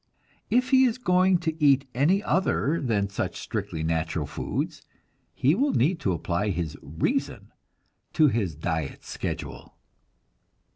If he is going to eat any other than such strictly natural foods, he will need to apply his reason to his diet schedule.